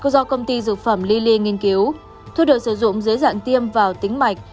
do công ty dược phẩm lilly nghiên cứu thuốc được sử dụng dưới dạng tiêm vào tính mạch